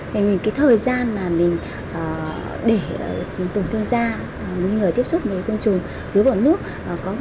thì cái thời gian mà mình để tổn thương da những người tiếp xúc với côn trùng dưới vòi nước có thể